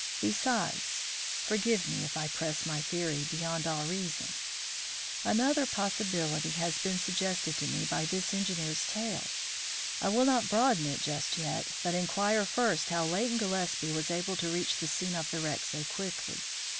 Besides forgive me if I press my theory beyond all reason another possibility has been suggested to me by this engineer's tale. I will not broach it just yet, but inquire first how Leighton Gillespie was able to reach the scene of the wreck so quickly.